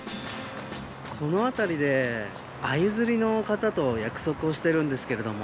このあたりで鮎釣りの方と約束をしているんですけれども。